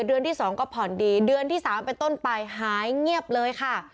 เดือนที่๒ก็ผ่อนดีเดือนที่๓เป็นต้นไปหายเงียบเลยค่ะ